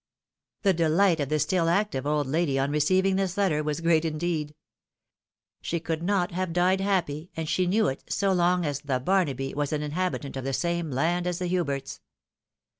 The delight of the still active old lady on receiving this letter was great indeed. She could not have died happy, and she knew it, so long as " the Bamaby" was an inhabitant of the same land as the Huberts.